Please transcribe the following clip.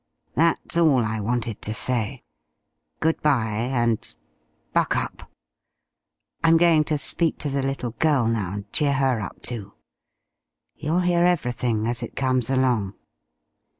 That's all I wanted to say. Good bye, and buck up. I'm going to speak to the little girl now, and cheer her up, too. You'll hear everything as it comes along."